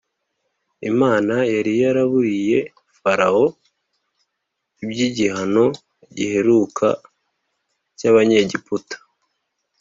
Imana yari yaraburiye Farawo iby’igihano giheruka cy’Abanyegiputa